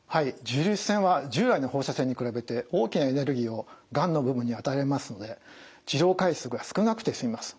重粒子線は従来の放射線に比べて大きなエネルギーをがんの部分に与えられますので治療回数が少なくて済みます。